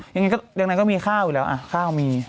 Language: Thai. อย่างนั้นก็มีข้าวอยู่แล้วข้าวมี